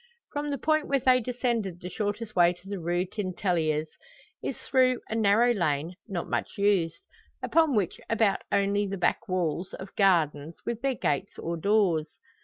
From the point where they descended the shortest way to the Rue Tintelleries is through a narrow lane not much used, upon which abut only the back walls of gardens, with their gates or doors.